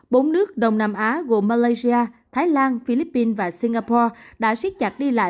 bốn nước đông nam á gồm malaysia thái lan philippines và singapore đã siết chặt đi lại